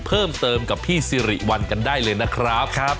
เพิ่มเติมกับพี่สิริวัลกันได้เลยนะครับ